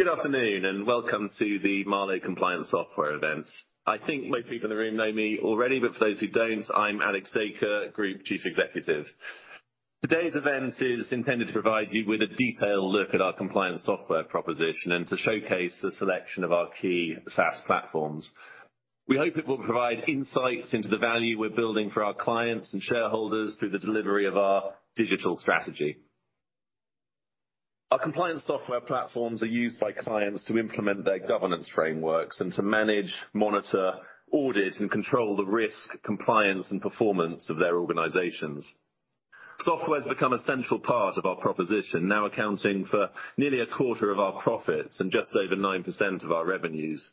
Good afternoon, and welcome to the Marlowe Compliance Software event. I think most people in the room know me already, but for those who don't, I'm Alex Dacre, Group Chief Executive. Today's event is intended to provide you with a detailed look at our compliance software proposition and to showcase the selection of our key SaaS platforms. We hope it will provide insights into the value we're building for our clients and shareholders through the delivery of our digital strategy. Our compliance software platforms are used by clients to implement their governance frameworks and to manage, monitor, audit, and control the risk, compliance, and performance of their organizations. Software's become a central part of our proposition, now accounting for nearly a quarter of our profits and just over 9% of our revenues.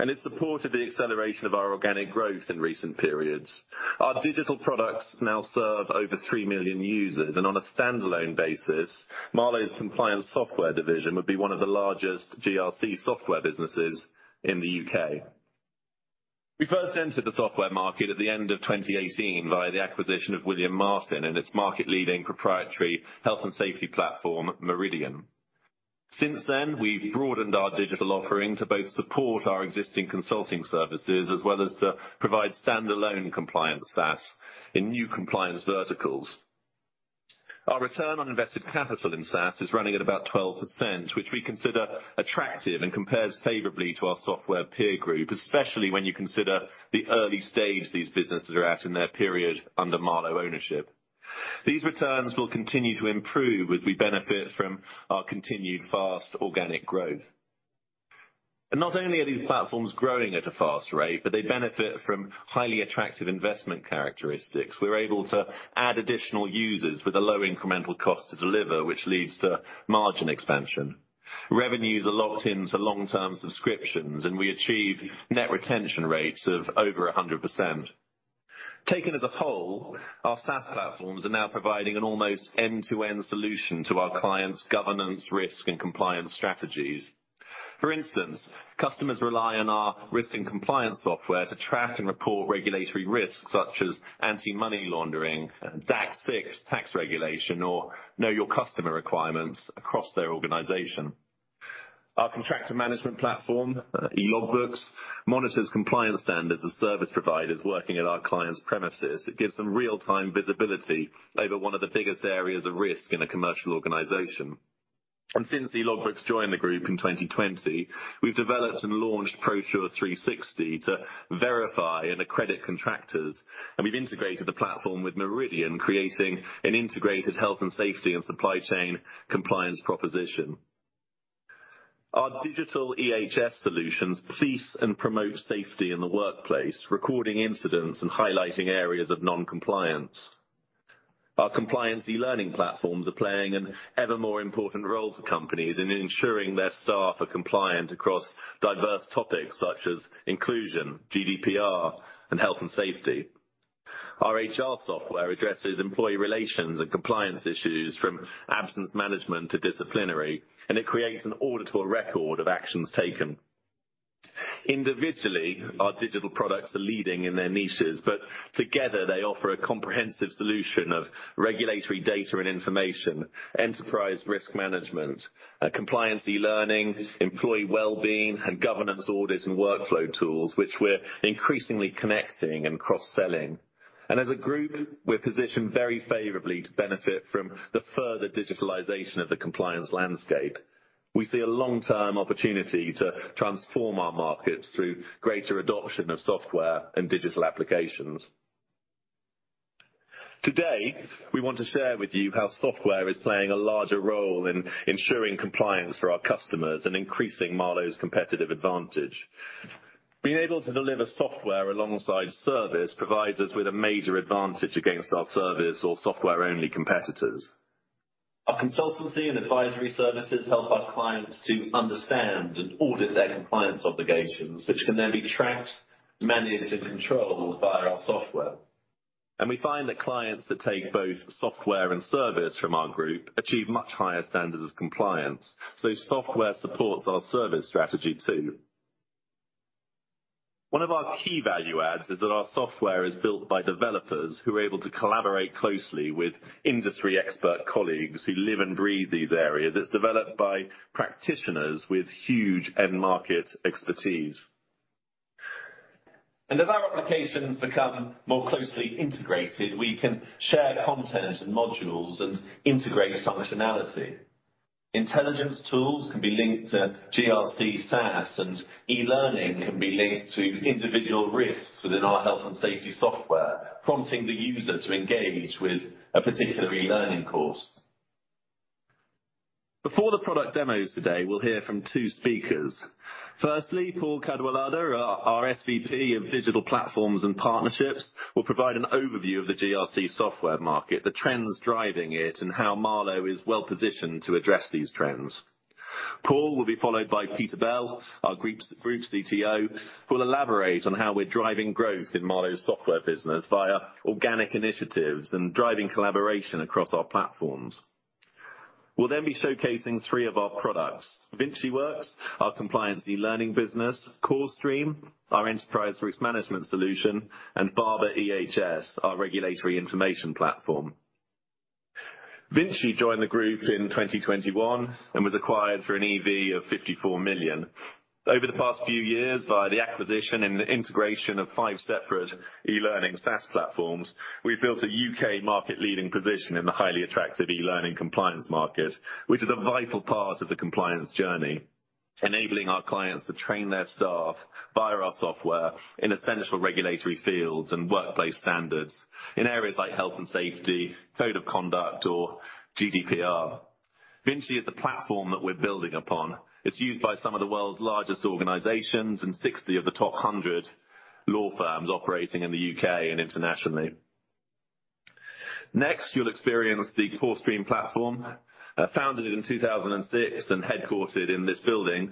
It supported the acceleration of our organic growth in recent periods. Our digital products now serve over three million users. On a standalone basis, Marlowe's compliance software division would be one of the largest GRC software businesses in the U.K. We first entered the software market at the end of 2018 via the acquisition of William Martin and its market-leading proprietary health and safety platform, Meridian. Since then, we've broadened our digital offering to both support our existing consulting services as well as to provide standalone compliance SaaS in new compliance verticals. Our return on invested capital in SaaS is running at about 12%, which we consider attractive and compares favorably to our software peer group, especially when you consider the early stage these businesses are at in their period under Marlowe ownership. These returns will continue to improve as we benefit from our continued fast organic growth. Not only are these platforms growing at a fast rate, but they benefit from highly attractive investment characteristics. We're able to add additional users with a low incremental cost to deliver, which leads to margin expansion. Revenues are locked into long-term subscriptions, and we achieve net retention rates of over 100%. Taken as a whole, our SaaS platforms are now providing an almost end-to-end solution to our clients' governance, risk, and compliance strategies. For instance, customers rely on our risk and compliance software to track and report regulatory risks, such as anti-money laundering, DAC6 tax regulation, or know your customer requirements across their organization. Our contractor management platform, Elogbooks, monitors compliance standards of service providers working at our clients' premises. It gives them real-time visibility over one of the biggest areas of risk in a commercial organization. Since Elogbooks joined the group in 2020, we've developed and launched ProSure 360 to verify and accredit contractors, and we've integrated the platform with Meridian, creating an integrated health and safety and supply chain compliance proposition. Our digital EHS solutions police and promote safety in the workplace, recording incidents and highlighting areas of non-compliance. Our compliance e-learning platforms are playing an ever more important role for companies in ensuring their staff are compliant across diverse topics such as inclusion, GDPR, and health and safety. Our HR software addresses employee relations and compliance issues from absence management to disciplinary, and it creates an auditable record of actions taken. Individually, our digital products are leading in their niches, but together they offer a comprehensive solution of regulatory data and information, enterprise risk management, compliance e-learning, employee wellbeing, and governance orders and workflow tools, which we're increasingly connecting and cross-selling. As a group, we're positioned very favorably to benefit from the further digitalization of the compliance landscape. We see a long-term opportunity to transform our markets through greater adoption of software and digital applications. Today, we want to share with you how software is playing a larger role in ensuring compliance for our customers and increasing Marlowe's competitive advantage. Being able to deliver software alongside service provides us with a major advantage against our service or software-only competitors. Our consultancy and advisory services help our clients to understand and audit their compliance obligations, which can then be tracked, managed, and controlled via our software. We find that clients that take both software and service from our group achieve much higher standards of compliance. Software supports our service strategy too. One of our key value adds is that our software is built by developers who are able to collaborate closely with industry expert colleagues who live and breathe these areas. It's developed by practitioners with huge end market expertise. As our applications become more closely integrated, we can share content and modules and integrate functionality. Intelligence tools can be linked to GRC SaaS, e-learning can be linked to individual risks within our health and safety software, prompting the user to engage with a particular e-learning course. Before the product demos today, we'll hear from two speakers. Firstly, Paul Cadwallader, our SVP of Digital Platforms and Partnerships, will provide an overview of the GRC software market, the trends driving it, and how Marlowe is well positioned to address these trends. Paul will be followed by Peter Bell, our group CTO, who will elaborate on how we're driving growth in Marlowe's software business via organic initiatives and driving collaboration across our platforms. We'll be showcasing three of our products. VinciWorks, our compliance e-learning business, CoreStream, our enterprise risk management solution, and Barbour EHS, our regulatory information platform. Vinci joined the group in 2021 and was acquired for an EV of 54 million. Over the past few years, via the acquisition and integration of five separate e-learning SaaS platforms, we've built a UK market-leading position in the highly attractive e-learning compliance market, which is a vital part of the compliance journey, enabling our clients to train their staff via our software in essential regulatory fields and workplace standards in areas like health and safety, code of conduct or GDPR. Vinci is the platform that we're building upon. It's used by some of the world's largest organizations and 60 of the top 100 law firms operating in the U.K. and internationally. You'll experience the CoreStream platform. Founded in 2006 and headquartered in this building,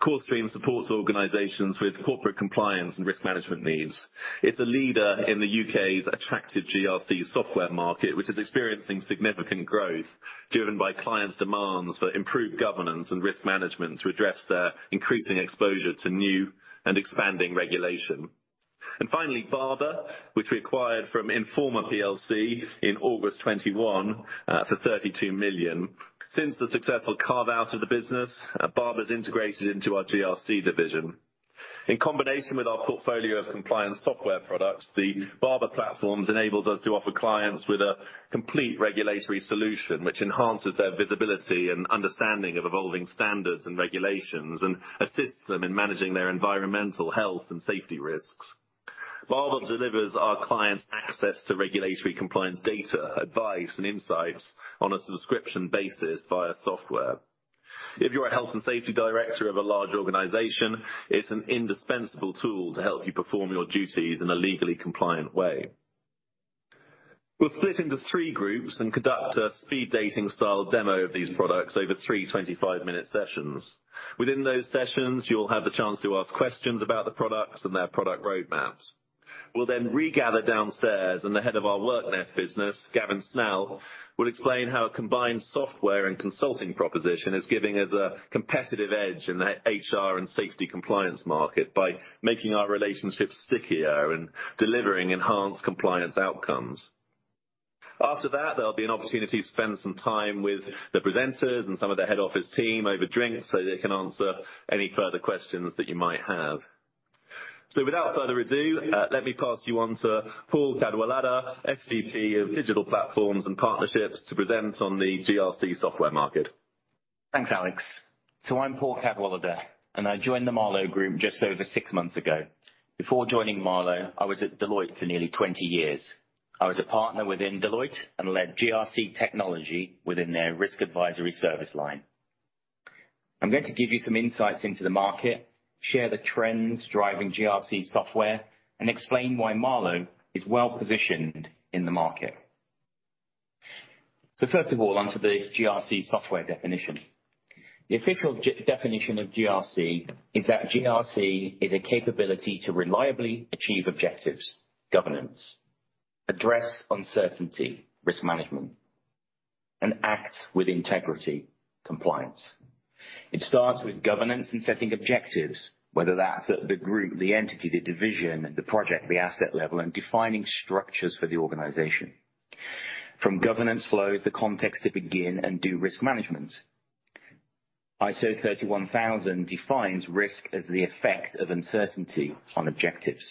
CoreStream supports organizations with corporate compliance and risk management needs. It's a leader in the U.K.'s attractive GRC software market, which is experiencing significant growth driven by clients' demands for improved governance and risk management to address their increasing exposure to new and expanding regulation. Finally, Barbour, which we acquired from Informa plc in August 2021 for 32 million. Since the successful carve-out of the business, Barbour's integrated into our GRC division. In combination with our portfolio of compliance software products, the Barbour platforms enables us to offer clients with a complete regulatory solution, which enhances their visibility and understanding of evolving standards and regulations, and assists them in managing their environmental health and safety risks. Barbour delivers our clients access to regulatory compliance data, advice, and insights on a subscription basis via software. If you're a health and safety director of a large organization, it's an indispensable tool to help you perform your duties in a legally compliant way. We'll split into three groups and conduct a speed dating style demo of these products over three 25-minute sessions. Within those sessions, you'll have the chance to ask questions about the products and their product roadmaps. We'll then regather downstairs, and the head of our WorkNest business, Gavin Snell, will explain how a combined software and consulting proposition is giving us a competitive edge in the HR and safety compliance market by making our relationships stickier and delivering enhanced compliance outcomes. After that, there'll be an opportunity to spend some time with the presenters and some of the head office team over drinks, so they can answer any further questions that you might have. Without further ado, let me pass you on to Paul Cadwallader, SVP of Digital Platforms and Partnerships, to present on the GRC software market. Thanks, Alex. I'm Paul Cadwallader, and I joined the Marlowe Group just over six months ago. Before joining Marlowe, I was at Deloitte for nearly 20 years. I was a partner within Deloitte and led GRC technology within their risk advisory service line. I'm going to give you some insights into the market, share the trends driving GRC software, and explain why Marlowe is well-positioned in the market. First of all, onto the GRC software definition. The official definition of GRC is that GRC is a capability to reliably achieve objectives, governance, address uncertainty, risk management, and act with integrity, compliance. It starts with governance and setting objectives, whether that's at the group, the entity, the division, the project, the asset level, and defining structures for the organization. From governance flows the context to begin and do risk management. ISO 31000 defines risk as the effect of uncertainty on objectives.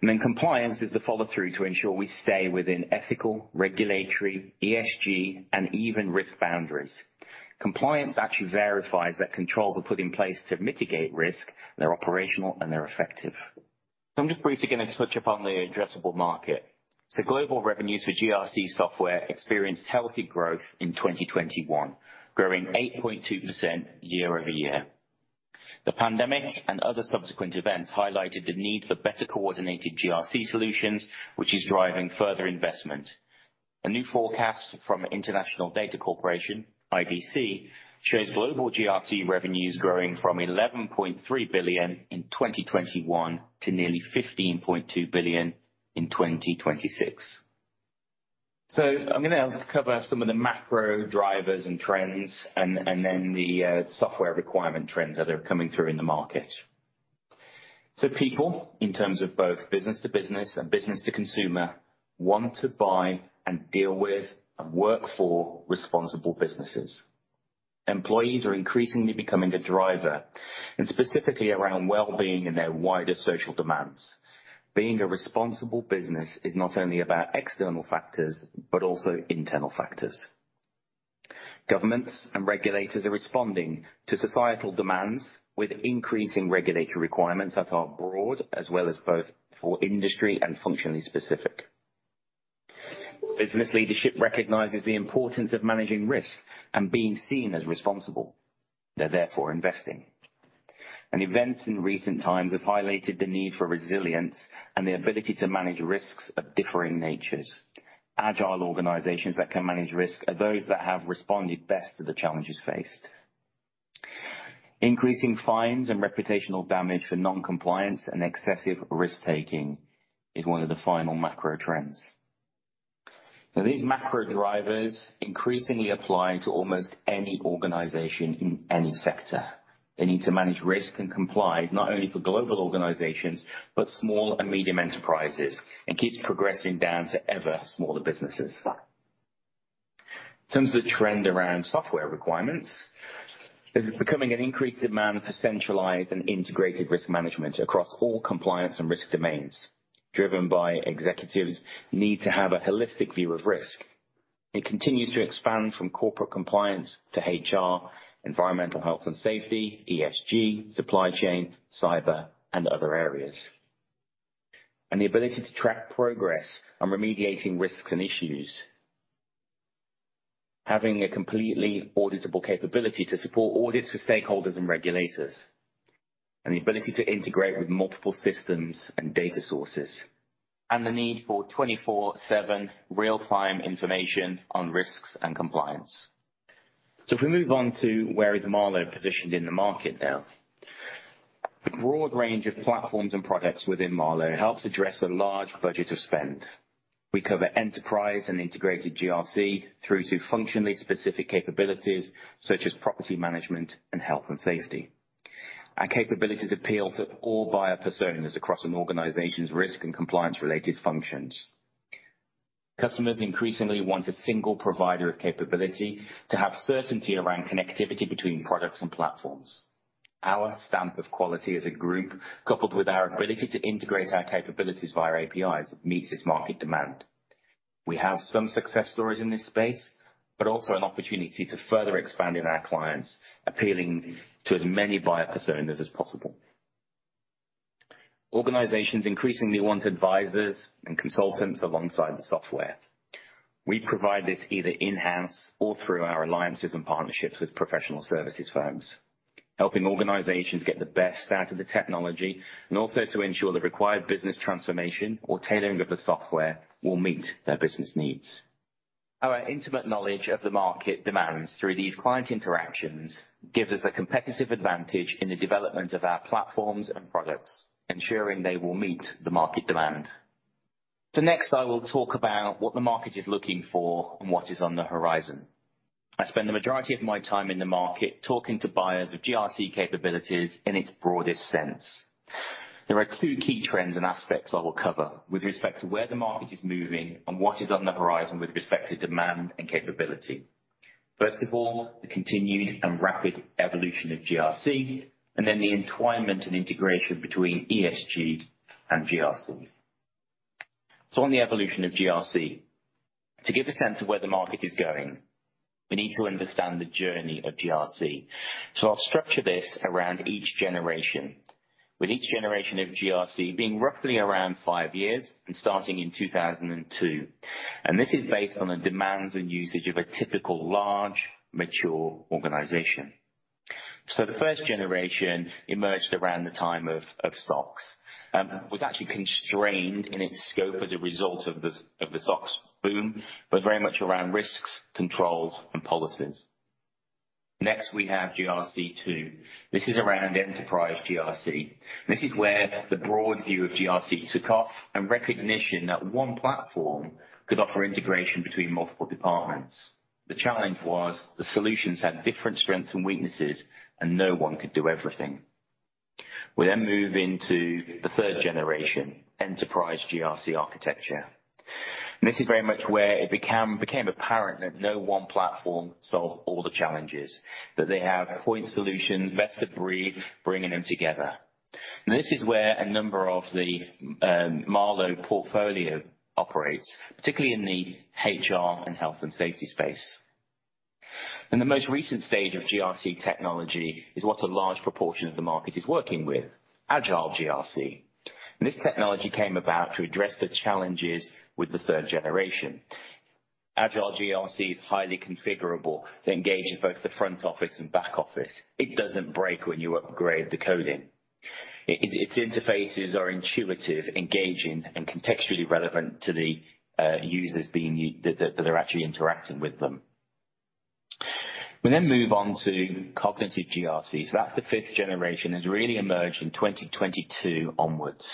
Compliance is the follow-through to ensure we stay within ethical, regulatory, ESG, and even risk boundaries. Compliance actually verifies that controls are put in place to mitigate risk, they're operational, and they're effective. I'm just briefly gonna touch upon the addressable market. Global revenues for GRC software experienced healthy growth in 2021, growing 8.2% year-over-year. The pandemic and other subsequent events highlighted the need for better coordinated GRC solutions, which is driving further investment. A new forecast from International Data Corporation, IDC, shows global GRC revenues growing from $11.3 billion in 2021 to nearly $15.2 billion in 2026. I'm gonna cover some of the macro drivers and trends and then the software requirement trends that are coming through in the market. People, in terms of both business to business and business to consumer, want to buy and deal with and work for responsible businesses. Employees are increasingly becoming a driver, and specifically around well-being and their wider social demands. Being a responsible business is not only about external factors, but also internal factors. Governments and regulators are responding to societal demands with increasing regulatory requirements that are broad, as well as both for industry and functionally specific. Business leadership recognizes the importance of managing risk and being seen as responsible. They're therefore investing. Events in recent times have highlighted the need for resilience and the ability to manage risks of differing natures. Agile organizations that can manage risk are those that have responded best to the challenges faced. Increasing fines and reputational damage for non-compliance and excessive risk-taking is one of the final macro trends. These macro drivers increasingly apply to almost any organization in any sector. The need to manage risk and compliance, not only for global organizations, but small and medium enterprises, and keeps progressing down to ever smaller businesses. In terms of the trend around software requirements, this is becoming an increased demand for centralized and integrated risk management across all compliance and risk domains, driven by executives' need to have a holistic view of risk. It continues to expand from corporate compliance to HR, environmental health and safety, ESG, supply chain, cyber and other areas. The ability to track progress on remediating risks and issues. Having a completely auditable capability to support audits for stakeholders and regulators. The ability to integrate with multiple systems and data sources. The need for 24/7 real-time information on risks and compliance. If we move on to where is Marlowe positioned in the market now. The broad range of platforms and products within Marlowe helps address a large budget of spend. We cover enterprise and integrated GRC through to functionally specific capabilities such as property management and health and safety. Our capabilities appeal to all buyer personas across an organization's risk and compliance related functions. Customers increasingly want a single provider of capability to have certainty around connectivity between products and platforms. Our stamp of quality as a group, coupled with our ability to integrate our capabilities via APIs, meets this market demand. We have some success stories in this space, but also an opportunity to further expand in our clients, appealing to as many buyer personas as possible. Organizations increasingly want advisors and consultants alongside the software. We provide this either in-house or through our alliances and partnerships with professional services firms, helping organizations get the best out of the technology and also to ensure the required business transformation or tailoring of the software will meet their business needs. Our intimate knowledge of the market demands through these client interactions gives us a competitive advantage in the development of our platforms and products, ensuring they will meet the market demand. Next, I will talk about what the market is looking for and what is on the horizon. I spend the majority of my time in the market talking to buyers of GRC capabilities in its broadest sense. There are two key trends and aspects I will cover with respect to where the market is moving and what is on the horizon with respect to demand and capability. First of all, the continued and rapid evolution of GRC, and then the entwinement and integration between ESG and GRC. On the evolution of GRC, to give a sense of where the market is going, we need to understand the journey of GRC. I'll structure this around each generation, with each generation of GRC being roughly around five years and starting in 2002. This is based on the demands and usage of a typical large, mature organization. The first generation emerged around the time of SOX, was actually constrained in its scope as a result of the SOX boom, but very much around risks, controls and policies. Next, we have GRC two. This is around enterprise GRC. This is where the broad view of GRC took off and recognition that one platform could offer integration between multiple departments. The challenge was the solutions had different strengths and weaknesses, and no one could do everything. We move into the third generation, enterprise GRC architecture. This is very much where it became apparent that no one platform solved all the challenges, that they have point solutions, best of breed, bringing them together. This is where a number of the Marlowe portfolio operates, particularly in the HR and health and safety space. In the most recent stage of GRC technology is what a large proportion of the market is working with, agile GRC. This technology came about to address the challenges with the third generation. Agile GRC is highly configurable to engage in both the front office and back office. It doesn't break when you upgrade the coding. Its interfaces are intuitive, engaging and contextually relevant to the users being that are actually interacting with them. We move on to cognitive GRC. That's the fifth generation, has really emerged in 2022 onwards.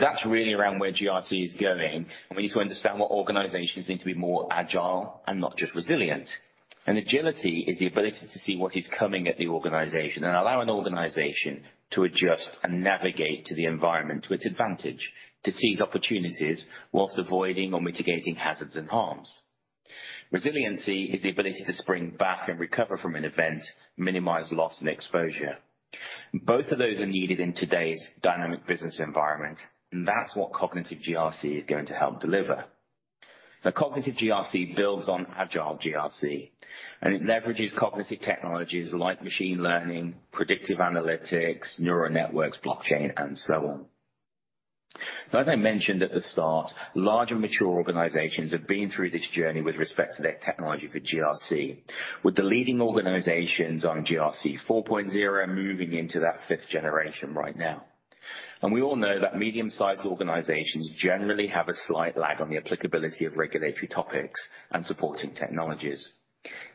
That's really around where GRC is going, and we need to understand what organizations need to be more agile and not just resilient. Agility is the ability to see what is coming at the organization and allow an organization to adjust and navigate to the environment to its advantage, to seize opportunities whilst avoiding or mitigating hazards and harms. Resiliency is the ability to spring back and recover from an event, minimize loss and exposure. Both of those are needed in today's dynamic business environment, and that's what cognitive GRC is going to help deliver. Cognitive GRC builds on agile GRC, and it leverages cognitive technologies like machine learning, predictive analytics, neural networks, blockchain and so on. As I mentioned at the start, large and mature organizations have been through this journey with respect to their technology for GRC, with the leading organizations on GRC 4.0 moving into that 5th generation right now. We all know that medium-sized organizations generally have a slight lag on the applicability of regulatory topics and supporting technologies.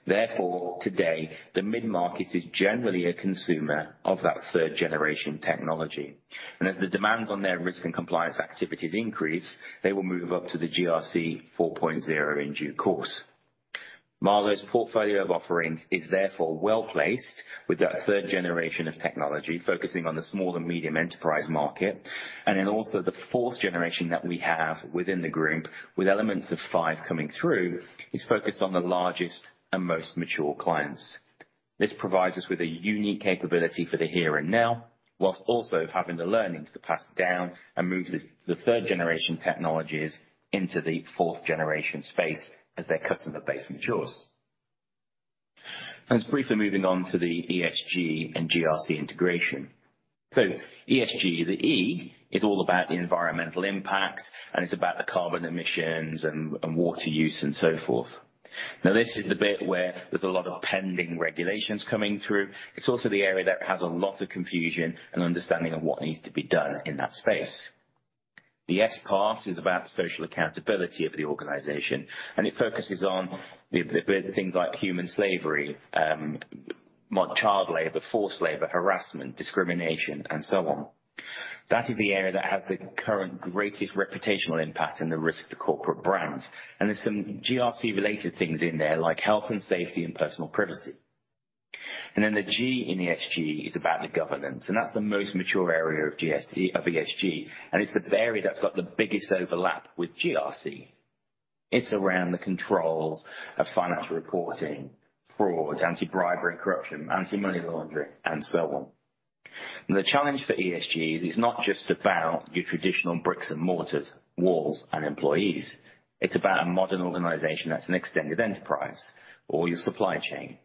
Therefore, today, the mid-market is generally a consumer of that 3rd generation technology. As the demands on their risk and compliance activities increase, they will move up to the GRC 4.0 in due course. Marlowe's portfolio of offerings is therefore well-placed with that 3rd generation of technology, focusing on the small and medium enterprise market. Then also the 4th generation that we have within the group, with elements of five coming through, is focused on the largest and most mature clients. This provides us with a unique capability for the here and now, while also having the learnings to pass down and move the 3rd-generation technologies into the 4th-generation space as their customer base matures. Just briefly moving on to the ESG and GRC integration. ESG, the E is all about the environmental impact, and it's about the carbon emissions and water use and so forth. This is the bit where there's a lot of pending regulations coming through. It's also the area that has a lot of confusion and understanding of what needs to be done in that space. The S part is about the social accountability of the organization, and it focuses on the bit, things like human slavery, child labor, forced labor, harassment, discrimination, and so on. That is the area that has the current greatest reputational impact and the risk to corporate brands. There's some GRC-related things in there, like health and safety and personal privacy. Then the G in ESG is about the governance, and that's the most mature area of ESG, and it's the area that's got the biggest overlap with GRC. It's around the controls of financial reporting, fraud, anti-bribery, corruption, anti-money laundering, and so on. The challenge for ESG is it's not just about your traditional bricks and mortars, walls and employees. It's about a modern organization that's an extended enterprise or your supply chain.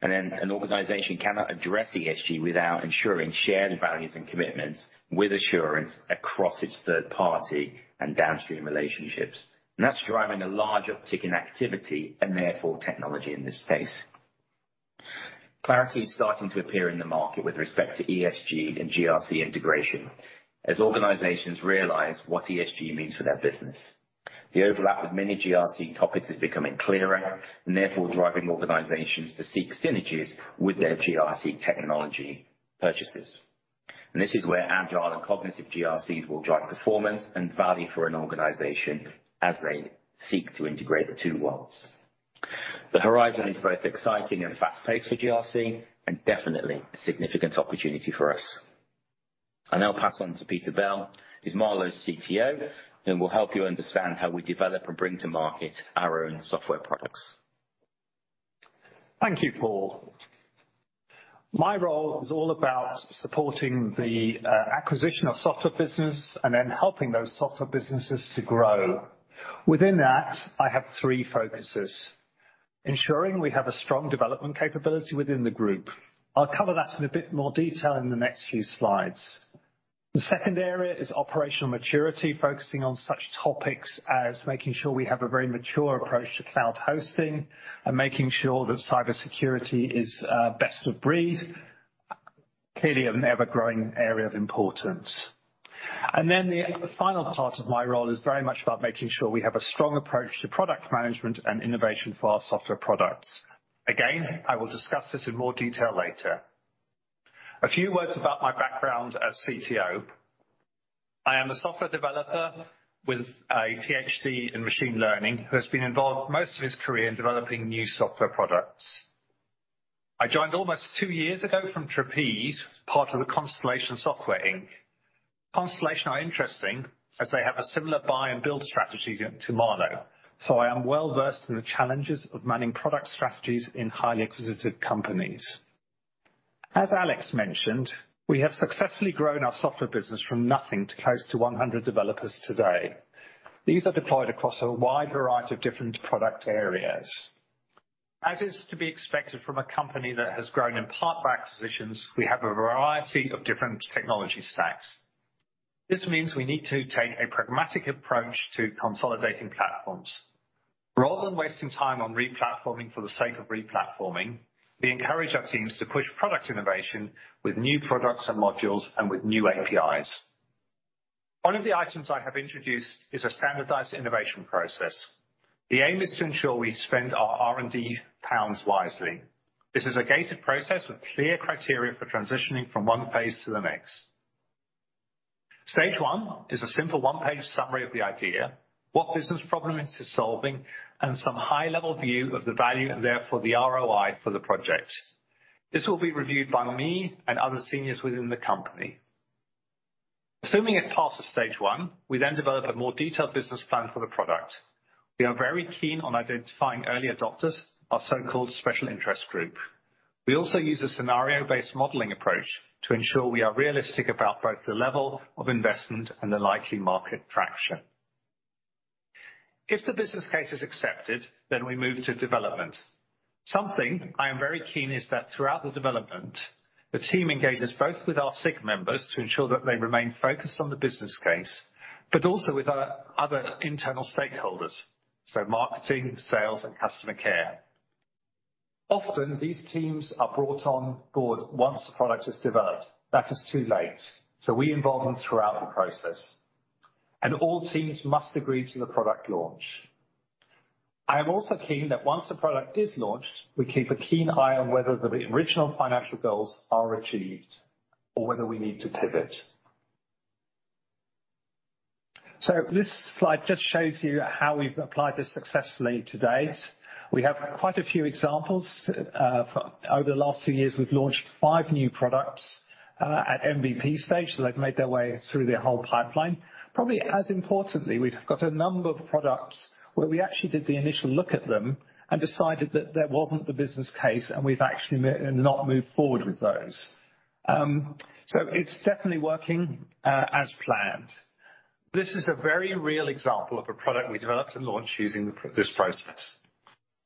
Then an organization cannot address ESG without ensuring shared values and commitments with assurance across its third party and downstream relationships. That's driving a large uptick in activity and therefore technology in this space. Clarity is starting to appear in the market with respect to ESG and GRC integration as organizations realize what ESG means for their business. The overlap of many GRC topics is becoming clearer and therefore driving organizations to seek synergies with their GRC technology purchases. This is where agile and cognitive GRC will drive performance and value for an organization as they seek to integrate the two worlds. The horizon is both exciting and fast-paced for GRC and definitely a significant opportunity for us. I'll now pass on to Peter Bell, who's Marlowe's CTO, who will help you understand how we develop and bring to market our own software products. Thank you, Paul. My role is all about supporting the acquisition of software business and then helping those software businesses to grow. Within that, I have three focuses: ensuring we have a strong development capability within the group. I'll cover that in a bit more detail in the next few slides. The second area is operational maturity, focusing on such topics as making sure we have a very mature approach to cloud hosting and making sure that cybersecurity is best of breed, clearly an ever-growing area of importance. Then the final part of my role is very much about making sure we have a strong approach to product management and innovation for our software products. Again, I will discuss this in more detail later. A few words about my background as CTO. I am a software developer with a PhD in machine learning who has been involved most of his career in developing new software products. I joined almost two years ago from Trapeze, part of the Constellation Software Inc. Constellation are interesting as they have a similar buy and build strategy to Marlowe, I am well-versed in the challenges of managing product strategies in highly acquisitive companies. As Alex mentioned, we have successfully grown our software business from nothing to close to 100 developers today. These are deployed across a wide variety of different product areas. As is to be expected from a company that has grown in part by acquisitions, we have a variety of different technology stacks. This means we need to take a pragmatic approach to consolidating platforms. Rather than wasting time on replatforming for the sake of replatforming, we encourage our teams to push product innovation with new products and modules and with new APIs. One of the items I have introduced is a standardized innovation process. The aim is to ensure we spend our R&D pounds wisely. This is a gated process with clear criteria for transitioning from one phase to the next. Stage one is a simple one-page summary of the idea, what business problem it is solving, and some high-level view of the value and therefore the ROI for the project. This will be reviewed by me and other seniors within the company. Assuming it passes stage one, we then develop a more detailed business plan for the product. We are very keen on identifying early adopters, our so-called special interest group. We also use a scenario-based modeling approach to ensure we are realistic about both the level of investment and the likely market traction. If the business case is accepted, we move to development. Something I am very keen is that throughout the development, the team engages both with our SIG members to ensure that they remain focused on the business case, but also with our other internal stakeholders, marketing, sales, and customer care. Often, these teams are brought on board once the product is developed. That is too late, we involve them throughout the process. All teams must agree to the product launch. I am also keen that once the product is launched, we keep a keen eye on whether the original financial goals are achieved or whether we need to pivot. This slide just shows you how we've applied this successfully to date. We have quite a few examples. Over the last two years, we've launched five new products at MVP stage. They've made their way through their whole pipeline. Probably as importantly, we've got a number of products where we actually did the initial look at them and decided that there wasn't the business case, and we've actually not moved forward with those. It's definitely working as planned. This is a very real example of a product we developed and launched using this process.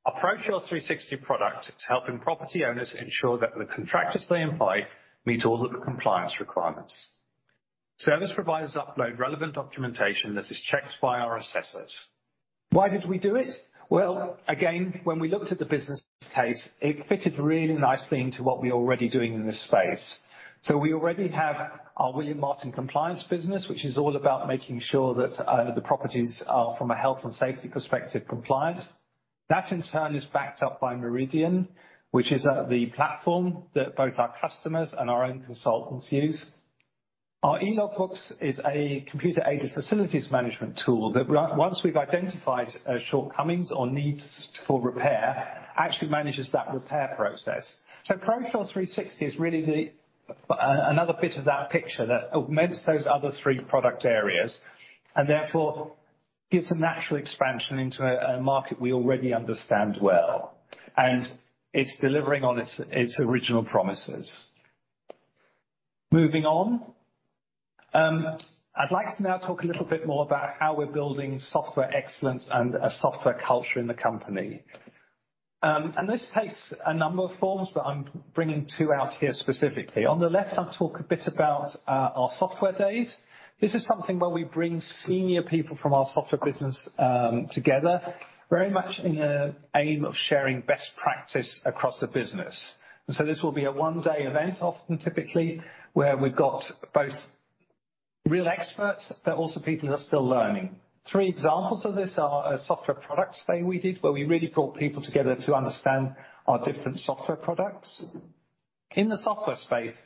Our ProSure 360 product is helping property owners ensure that the contractors they employ meet all of the compliance requirements. Service providers upload relevant documentation that is checked by our assessors. Why did we do it? Well, again, when we looked at the business case, it fitted really nicely into what we're already doing in this space. We already have our William Martin compliance business, which is all about making sure that the properties are, from a health and safety perspective, compliant. That, in turn, is backed up by Meridian, which is the platform that both our customers and our own consultants use. Our Elogbooks is a computer-aided facilities management tool that once we've identified shortcomings or needs for repair, actually manages that repair process. ProSure 360 is really the another bit of that picture that augments those other three product areas, and therefore gives a natural expansion into a market we already understand well, and it's delivering on its original promises. Moving on. I'd like to now talk a little bit more about how we're building software excellence and a software culture in the company. And this takes a number of forms, but I'm bringing two out here specifically. On the left, I'll talk a bit about our software days. This is something where we bring senior people from our software business together, very much in the aim of sharing best practice across the business. This will be a one-day event, often, typically, where we've got both real experts, but also people who are still learning. Three examples of this are a software product stay we did, where we really brought people together to understand our different software products. In the software space,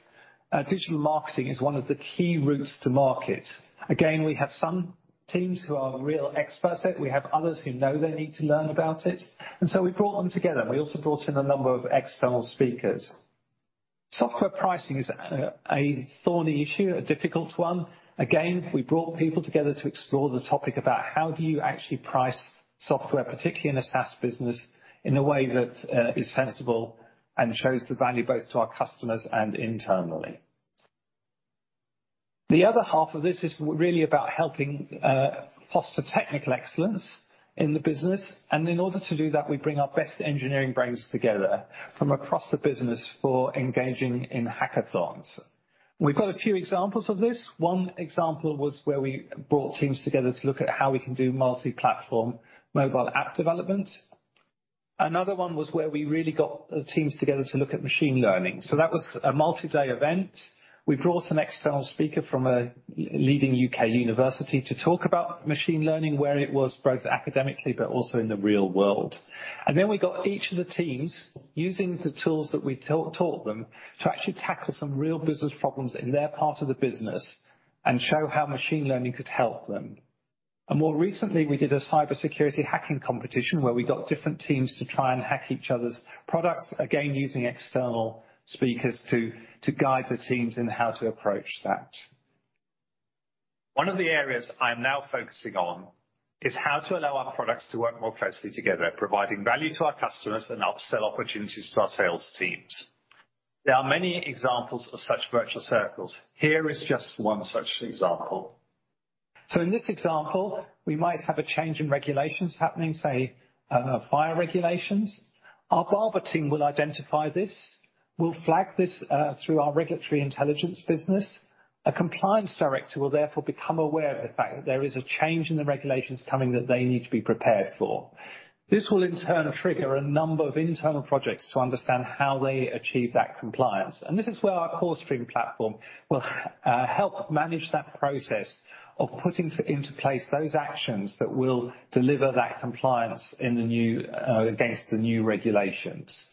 digital marketing is one of the key routes to market. We have some teams who are real experts at it. We have others who know they need to learn about it, we brought them together. We also brought in a number of external speakers. Software pricing is a thorny issue, a difficult one. Again, we brought people together to explore the topic about how do you actually price software, particularly in a SaaS business, in a way that is sensible and shows the value both to our customers and internally. The other half of this is really about helping foster technical excellence in the business. In order to do that, we bring our best engineering brains together from across the business for engaging in hackathons. We've got a few examples of this. One example was where we brought teams together to look at how we can do multi-platform mobile app development. Another one was where we really got teams together to look at machine learning, so that was a multi-day event. We brought an external speaker from a leading U.K. university to talk about machine learning, where it was both academically but also in the real world. We got each of the teams, using the tools that we taught them, to actually tackle some real business problems in their part of the business and show how machine learning could help them. More recently, we did a cybersecurity hacking competition where we got different teams to try and hack each other's products. Again, using external speakers to guide the teams in how to approach that. One of the areas I am now focusing on is how to allow our products to work more closely together, providing value to our customers and upsell opportunities to our sales teams. There are many examples of such virtual circles. Here is just one such example. In this example, we might have a change in regulations happening, say, fire regulations. Our Barbour team will identify this. We'll flag this through our regulatory intelligence business. A compliance director will therefore become aware of the fact that there is a change in the regulations coming that they need to be prepared for. This will in turn trigger a number of internal projects to understand how they achieve that compliance. This is where our CoreStream platform will help manage that process of putting into place those actions that will deliver that compliance in the new against the new regulations.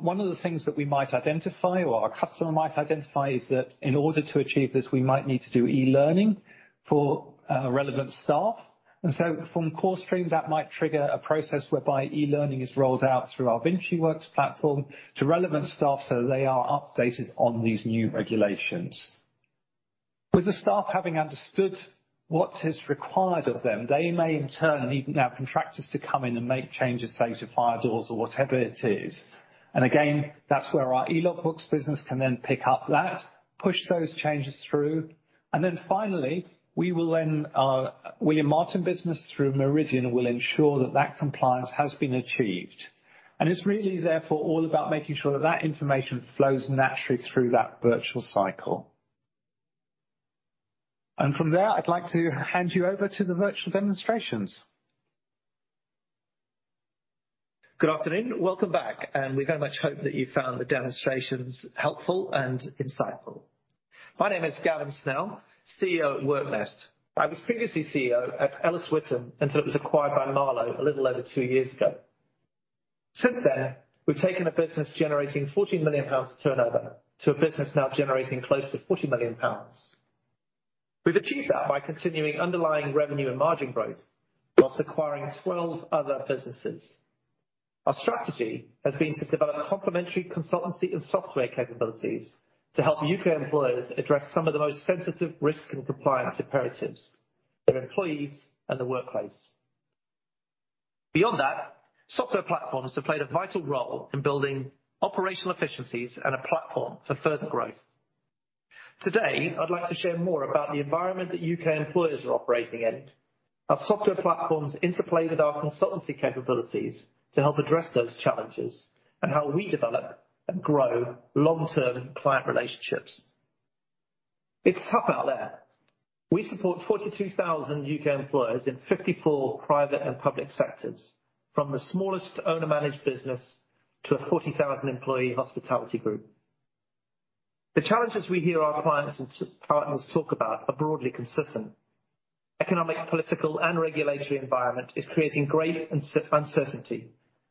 One of the things that we might identify or our customer might identify is that in order to achieve this, we might need to do e-learning for relevant staff. From CoreStream, that might trigger a process whereby e-learning is rolled out through our VinciWorks platform to relevant staff so they are updated on these new regulations. With the staff having understood what is required of them, they may in turn need now contractors to come in and make changes, say, to fire doors or whatever it is. Again, that's where our Elogbooks business can then pick up that, push those changes through, and then finally, we will then William Martin business through Meridian will ensure that that compliance has been achieved. It's really therefore all about making sure that that information flows naturally through that virtual cycle. From there, I'd like to hand you over to the virtual demonstrations. Good afternoon. Welcome back, and we very much hope that you found the demonstrations helpful and insightful. My name is Gavin Snell, CEO at WorkNest. I was previously CEO at Ellis Whittam until it was acquired by Marlowe a little over two years ago. Since then, we've taken a business generating 14 million pounds turnover to a business now generating close to 40 million pounds. We've achieved that by continuing underlying revenue and margin growth while acquiring 12 other businesses. Our strategy has been to develop complementary consultancy and software capabilities to help U.K. employers address some of the most sensitive risks and compliance imperatives, their employees and the workplace. Beyond that, software platforms have played a vital role in building operational efficiencies and a platform for further growth. Today, I'd like to share more about the environment that U.K. employers are operating in. Our software platforms interplay with our consultancy capabilities to help address those challenges and how we develop and grow long-term client relationships. It's tough out there. We support 42,000 U.K. employers in 54 private and public sectors, from the smallest owner-managed business to a 40,000 employee hospitality group. The challenges we hear our clients and partners talk about are broadly consistent. Economic, political, and regulatory environment is creating great uncertainty,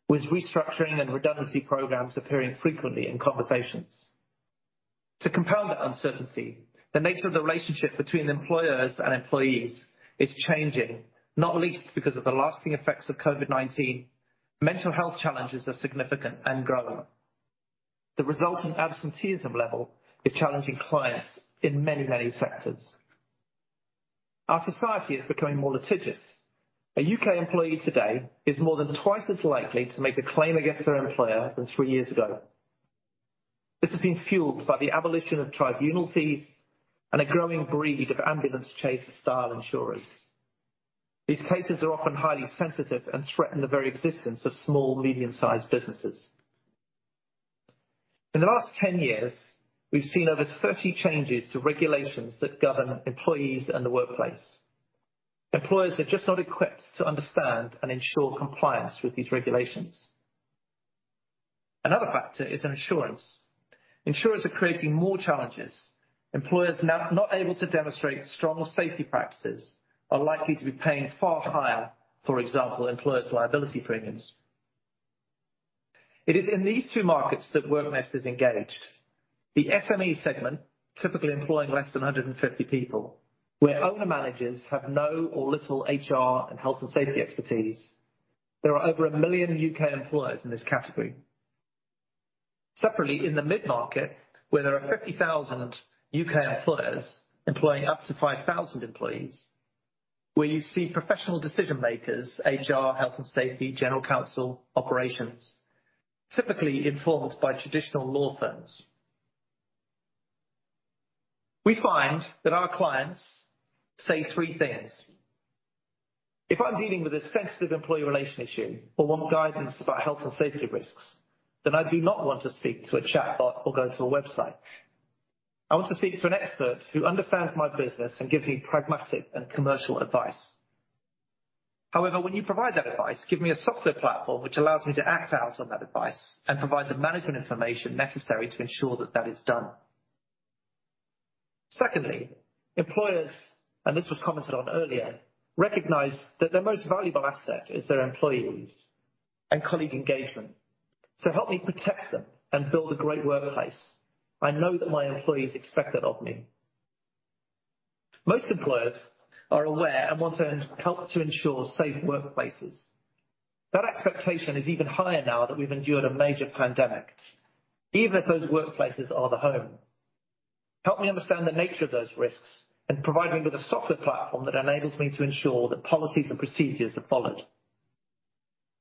with restructuring and redundancy programs appearing frequently in conversations. To compound that uncertainty, the nature of the relationship between employers and employees is changing, not least because of the lasting effects of COVID-19, mental health challenges are significant and growing. The resulting absenteeism level is challenging clients in many, many sectors. Our society is becoming more litigious. A U.K. employee today is more than twice as likely to make a claim against their employer than three years ago. This has been fueled by the abolition of tribunal fees and a growing breed of ambulance chaser style insurers. These cases are often highly sensitive and threaten the very existence of small, medium-sized businesses. In the last 10 years, we've seen over 30 changes to regulations that govern employees and the workplace. Employers are just not equipped to understand and ensure compliance with these regulations. Another factor is insurance. Insurers are creating more challenges. Employers not able to demonstrate strong safety practices are likely to be paying far higher, for example, employers liability premiums. It is in these two markets that WorkNest is engaged. The SME segment, typically employing less than 150 people, where owner-managers have no or little HR and health and safety expertise. There are over one million U.K. employers in this category. Separately, in the mid-market, where there are 50,000 U.K. employers employing up to 5,000 employees, where you see professional decision-makers, HR, health and safety, general counsel, operations, typically informed by traditional law firms. We find that our clients say three things. If I'm dealing with a sensitive employee relation issue or want guidance about health and safety risks, then I do not want to speak to a chatbot or go to a website. I want to speak to an expert who understands my business and gives me pragmatic and commercial advice. However, when you provide that advice, give me a software platform which allows me to act out on that advice and provide the management information necessary to ensure that that is done. Secondly, employers, and this was commented on earlier, recognize that their most valuable asset is their employees and colleague engagement. Help me protect them and build a great workplace. I know that my employees expect that of me. Most employers are aware and want to help to ensure safe workplaces. That expectation is even higher now that we've endured a major pandemic, even if those workplaces are the home. "Help me understand the nature of those risks and provide me with a software platform that enables me to ensure that policies and procedures are followed."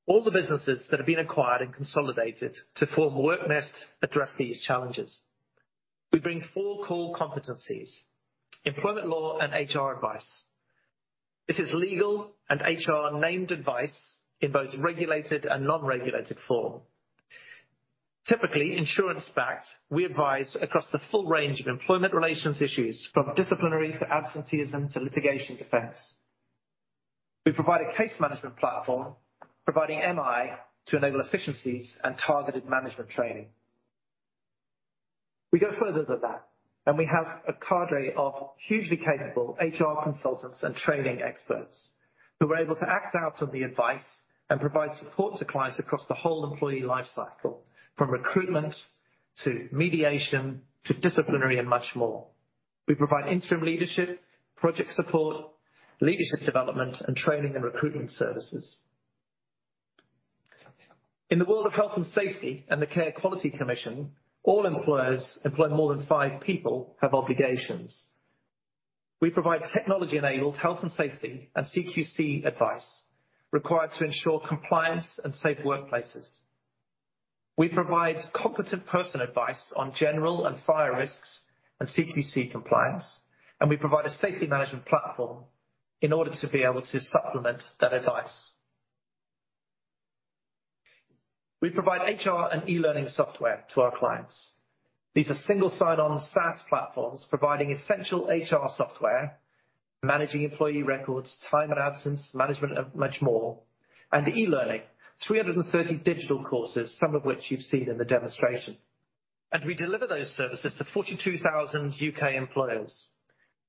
All the businesses that have been acquired and consolidated to form WorkNest address these challenges. We bring four core competencies. Employment law and HR advice. This is legal and HR named advice in both regulated and non-regulated form. Typically, insurance-backed, we advise across the full range of employment relations issues, from disciplinary to absenteeism to litigation defense. We provide a case management platform, providing MI to enable efficiencies and targeted management training. We go further than that, we have a cadre of hugely capable HR consultants and training experts who are able to act out on the advice and provide support to clients across the whole employee life cycle, from recruitment to mediation to disciplinary and much more. We provide interim leadership, project support, leadership development, and training and recruitment services. In the world of health and safety and the Care Quality Commission, all employers employ more than five people have obligations. We provide technology-enabled health and safety and CQC advice required to ensure compliance and safe workplaces. We provide competent person advice on general and fire risks and CQC compliance, we provide a safety management platform in order to be able to supplement that advice. We provide HR and e-learning software to our clients. These are single sign-on SaaS platforms providing essential HR software, managing employee records, time and absence, management of much more, and e-learning, 330 digital courses, some of which you've seen in the demonstration. We deliver those services to 42,000 UK employers,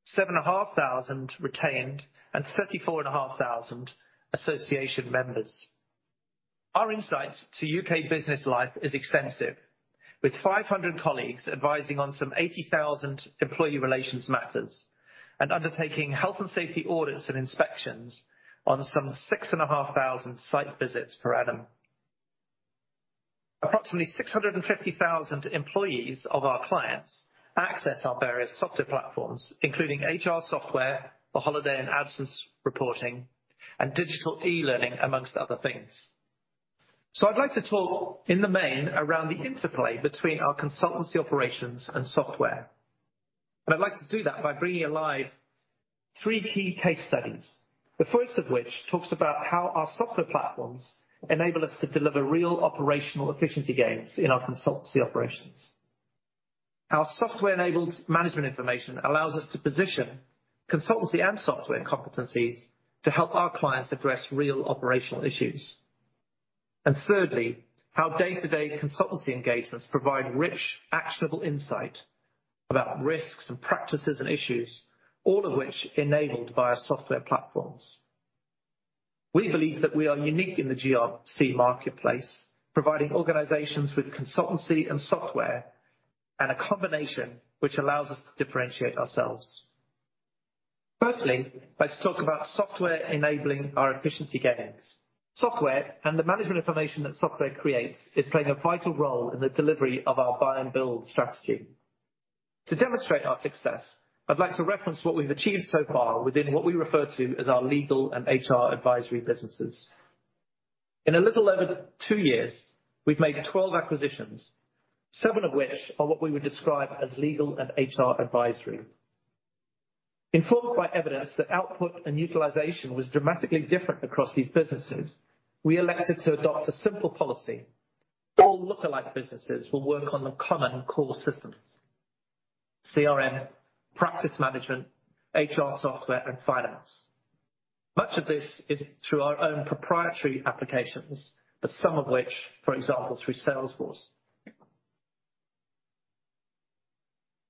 7,500 retained and 34,500 association members. Our insights to UK business life is extensive, with 500 colleagues advising on some 80,000 employee relations matters and undertaking health and safety audits and inspections on some 6,500 site visits per annum. Approximately 650,000 employees of our clients access our various software platforms, including HR software for holiday and absence reporting and digital e-learning, amongst other things. I'd like to talk in the main around the interplay between our consultancy operations and software, and I'd like to do that by bringing alive three key case studies. The first of which talks about how our software platforms enable us to deliver real operational efficiency gains in our consultancy operations. Our software-enabled management information allows us to position consultancy and software competencies to help our clients address real operational issues. Thirdly, how day-to-day consultancy engagements provide rich, actionable insight about risks and practices and issues, all of which enabled via software platforms. We believe that we are unique in the GRC marketplace, providing organizations with consultancy and software and a combination which allows us to differentiate ourselves. Firstly, let's talk about software enabling our efficiency gains. Software and the management information that software creates is playing a vital role in the delivery of our buy and build strategy. To demonstrate our success, I'd like to reference what we've achieved so far within what we refer to as our legal and HR advisory businesses. In a little over two years, we've made 12 acquisitions, seven of which are what we would describe as legal and HR advisory. Informed by evidence that output and utilization was dramatically different across these businesses, we elected to adopt a simple policy. All lookalike businesses will work on the common core systems: CRM, practice management, HR software, and finance. Much of this is through our own proprietary applications, but some of which, for example, through Salesforce.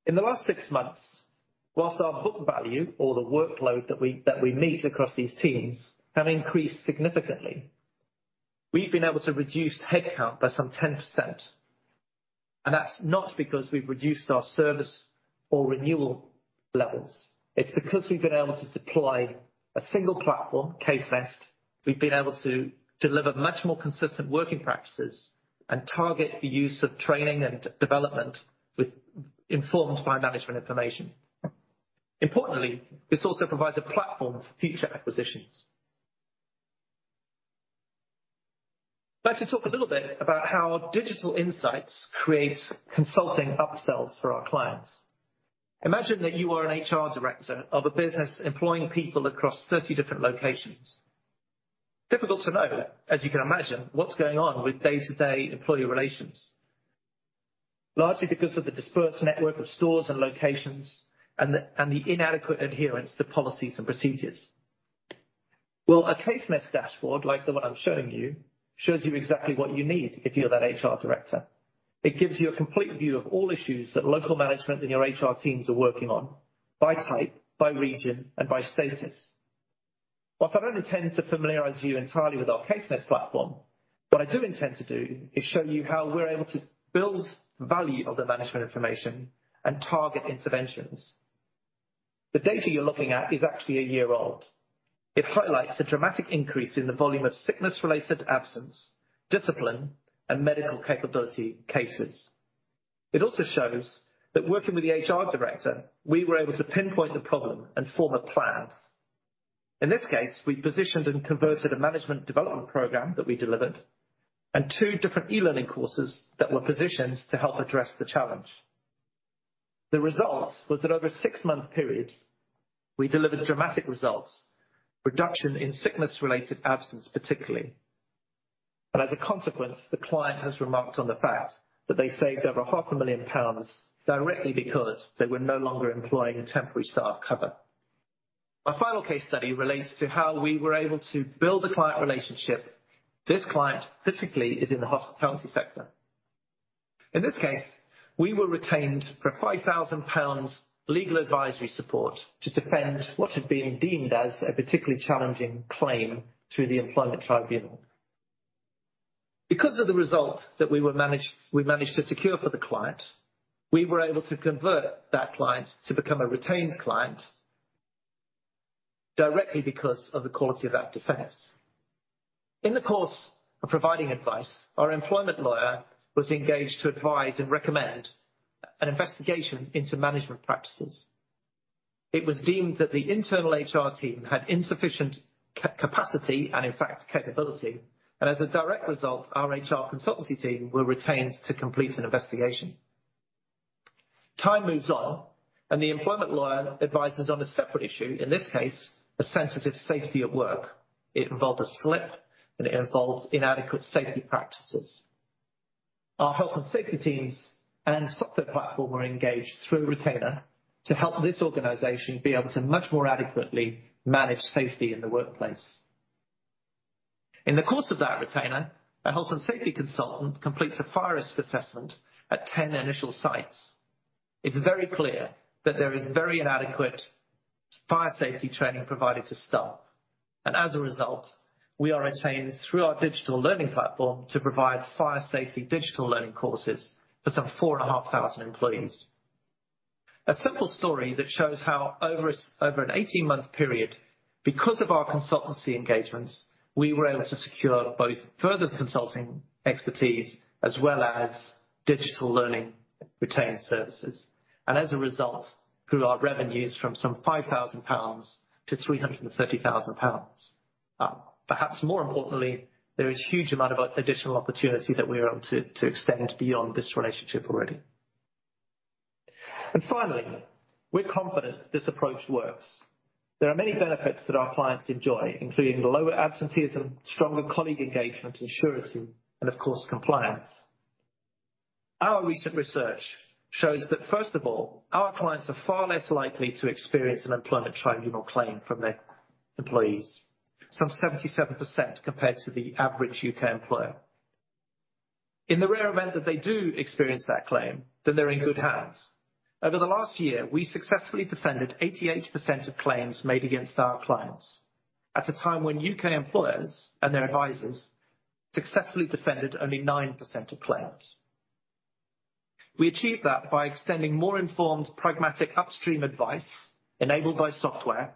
In the last six months, whilst our book value or the workload that we meet across these teams have increased significantly, we've been able to reduce headcount by some 10%. That's not because we've reduced our service or renewal levels. It's because we've been able to deploy a single platform, CaseNest. We've been able to deliver much more consistent working practices and target the use of training and development Informed by management information. Importantly, this also provides a platform for future acquisitions. I'd like to talk a little bit about how digital insights create consulting upsells for our clients. Imagine that you are an HR director of a business employing people across 30 different locations. Difficult to know, as you can imagine, what's going on with day-to-day employee relations, largely because of the dispersed network of stores and locations and the inadequate adherence to policies and procedures. Well, a CaseNest dashboard, like the one I'm showing you, shows you exactly what you need if you're that HR director. It gives you a complete view of all issues that local management and your HR teams are working on by type, by region, and by status. I don't intend to familiarize you entirely with our CaseNest platform, what I do intend to do is show you how we're able to build value of the management information and target interventions. The data you're looking at is actually a year old. It highlights a dramatic increase in the volume of sickness-related absence, discipline, and medical capability cases. It also shows that working with the HR director, we were able to pinpoint the problem and form a plan. In this case, we positioned and converted a management development program that we delivered and two different e-learning courses that were positioned to help address the challenge. The result was that over a six-month period, we delivered dramatic results, reduction in sickness-related absence, particularly. As a consequence, the client has remarked on the fact that they saved over a half a million pounds directly because they were no longer employing temporary staff cover. Our final case study relates to how we were able to build a client relationship. This client specifically is in the hospitality sector. In this case, we were retained for 5,000 pounds legal advisory support to defend what had been deemed as a particularly challenging claim through the employment tribunal. Because of the result that we managed to secure for the client, we were able to convert that client to become a retained client directly because of the quality of that defense. In the course of providing advice, our employment lawyer was engaged to advise and recommend an investigation into management practices. It was deemed that the internal HR team had insufficient capacity and, in fact, capability. As a direct result, our HR consultancy team were retained to complete an investigation. Time moves on, and the employment lawyer advises on a separate issue, in this case, a sensitive safety at work. It involved a slip, and it involved inadequate safety practices. Our health and safety teams and software platform were engaged through a retainer to help this organization be able to much more adequately manage safety in the workplace. In the course of that retainer, a health and safety consultant completes a fire risk assessment at 10 initial sites. It's very clear that there is very inadequate fire safety training provided to staff. As a result, we are retained through our digital learning platform to provide fire safety digital learning courses for some 4,500 employees. A simple story that shows how over an 18-month period, because of our consultancy engagements, we were able to secure both further consulting expertise as well as digital learning retained services, and as a result, grew our revenues from some 5,000 pounds to 330,000 pounds. Perhaps more importantly, there is huge amount of additional opportunity that we are able to extend beyond this relationship already. Finally, we're confident this approach works. There are many benefits that our clients enjoy, including lower absenteeism, stronger colleague engagement, and surety, and of course, compliance. Our recent research shows that, first of all, our clients are far less likely to experience an employment tribunal claim from their employees, some 77% compared to the average U.K. employer. In the rare event that they do experience that claim, then they're in good hands. Over the last year, we successfully defended 88% of claims made against our clients at a time when U.K. employers and their advisors successfully defended only 9% of claims. We achieved that by extending more informed, pragmatic upstream advice enabled by software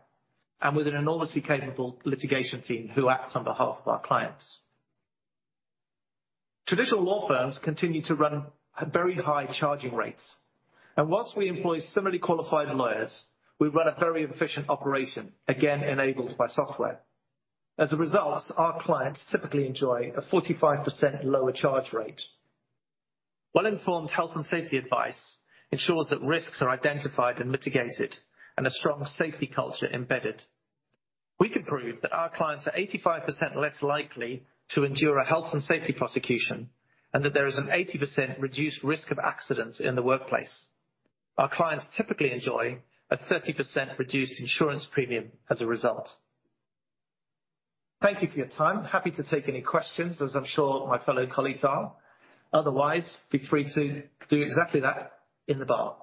and with an enormously capable litigation team who act on behalf of our clients. Traditional law firms continue to run very high charging rates. Whilst we employ similarly qualified lawyers, we run a very efficient operation, again, enabled by software. As a result, our clients typically enjoy a 45% lower charge rate. Well-informed health and safety advice ensures that risks are identified and mitigated and a strong safety culture embedded. We can prove that our clients are 85% less likely to endure a health and safety prosecution, and that there is an 80% reduced risk of accidents in the workplace. Our clients typically enjoy a 30% reduced insurance premium as a result. Thank you for your time. Happy to take any questions, as I'm sure my fellow colleagues are. Otherwise, be free to do exactly that in the bar.